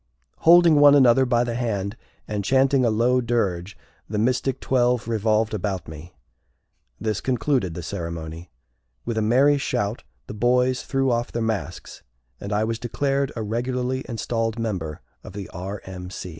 Holding one another by the hand, and chanting a low dirge, the Mystic Twelve revolved about me. This concluded the ceremony. With a merry shout the boys threw off their masks, and I was declared a regularly installed member of the R. M.